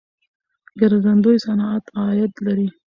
ګرځندوی صنعت عاید لري.